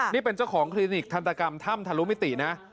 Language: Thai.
นี่เป็นเจ้าของคลินิกทันตกรรมถ้ำทะลุมิตินะ